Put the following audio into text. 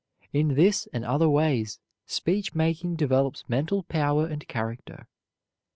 In this and other ways speech making develops mental power and character.